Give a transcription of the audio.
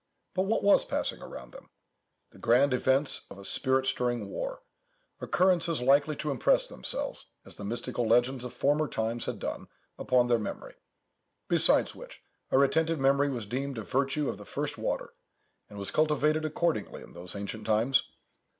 But what was passing around them? The grand events of a spirit stirring war; occurrences likely to impress themselves, as the mystical legends of former times had done, upon their memory; besides which, a retentive memory was deemed a virtue of the first water, and was cultivated accordingly in those ancient times.